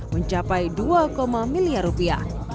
mencapai dua miliar rupiah